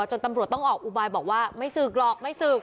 จนตำรวจต้องออกอุบายบอกว่าไม่ศึกหรอกไม่ศึก